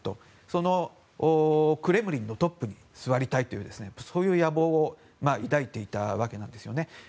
そのクレムリンのトップに座りたいというそういう野望を抱いていたわけなんです。